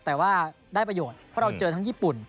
แต่ว่าได้ประโยชน์เพราะเราเจอทั้งญี่ปุ่น